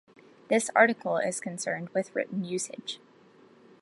This article is concerned with written usage.